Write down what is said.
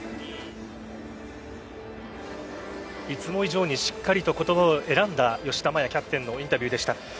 いつも以上にしっかりと言葉を選んだ吉田麻也キャプテンのインタビューでした。